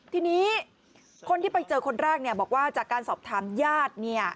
ทีนี้คนที่ไปเจอคนแรกบอกว่าจากการสอบถามญาติ